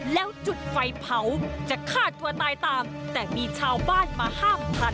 แล้วจุดไฟเผาจะฆ่าตัวตายตามแต่มีชาวบ้านมาห้ามทัน